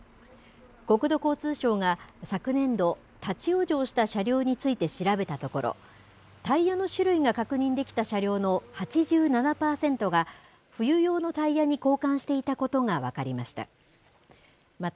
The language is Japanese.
国土交通省が昨年度、立往生した車両について調べたところ、タイヤの種類が確認できた車両の８７％が、冬用のタイヤに交換していたことが分かりました。